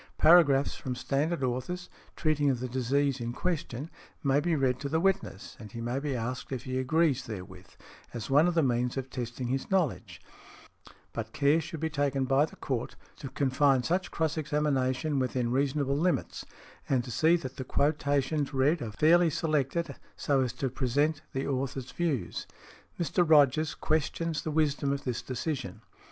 Paragraphs from standard authors, treating of the disease in question, may be read to the witness, and he may be asked if he agrees therewith, as one of the means of testing his knowledge; but care should be taken by the court to confine such cross examination within reasonable limits, and to see that the quotations read are fairly selected so as to present the author's views. Mr. Rogers questions the wisdom of this decision .